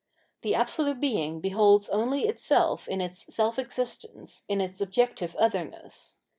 The absolute Being beholds only itself in its Self existence, in its objective otherness.